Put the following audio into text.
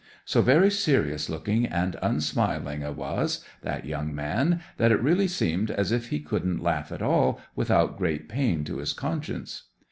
So very serious looking and unsmiling 'a was, that young man, that it really seemed as if he couldn't laugh at all without great pain to his conscience.